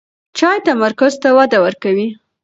چای تمرکز ته وده ورکوي.